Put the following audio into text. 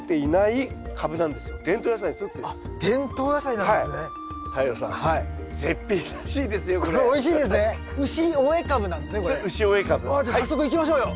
ああじゃあ早速行きましょうよ。